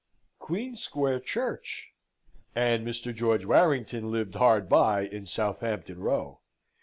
Queen Square Church, and Mr. George Warrington lived hard by in Southampton Row!